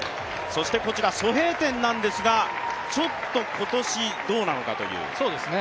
そしてこちら、蘇炳添なんですがちょっと今年どうなのかと。